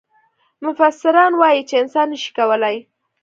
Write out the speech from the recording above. مفسران وايي چې انسان نه شي کولای.